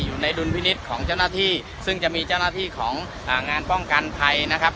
อยู่ในดุลพินิษฐ์ของเจ้าหน้าที่ซึ่งจะมีเจ้าหน้าที่ของงานป้องกันภัยนะครับ